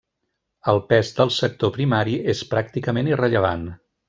El pes del sector primari és pràcticament irrellevant.